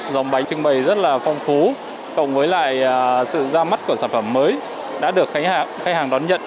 dòng bánh trưng bày rất là phong phú cộng với lại sự ra mắt của sản phẩm mới đã được khách hàng đón nhận